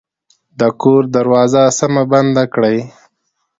د کور دروازه سمه بنده کړئ